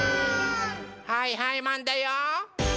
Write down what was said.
はいはいマンだよ！